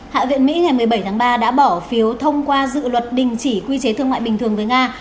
hạ viện mỹ ngày một mươi bảy tháng ba đã bỏ phiếu thông qua dự luật đình chỉ quy chế thương mại bình thường với nga